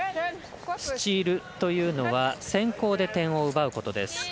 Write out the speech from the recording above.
スチールというのは先攻で点を奪うことです。